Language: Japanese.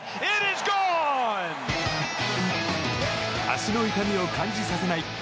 足の痛みも感じさせない